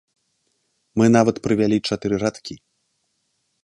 Мы нават прывялі чатыры радкі.